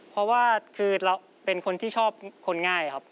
เพราะว่าคือเราเป็นคนที่ชอบคนง่ายครับ